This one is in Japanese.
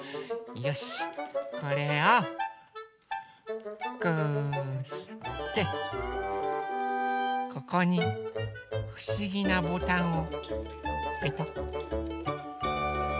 これをこうしてここにふしぎなボタンをペタッペタッ。